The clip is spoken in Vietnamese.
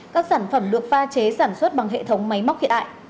các sản phẩm được pha chế sản xuất bằng hệ thống máy móc hiện đại